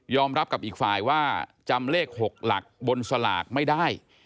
รับกับอีกฝ่ายว่าจำเลข๖หลักบนสลากไม่ได้